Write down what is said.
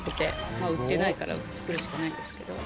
まあ売ってないから作るしかないんですけど。